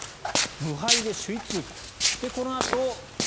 無敗で首位通過。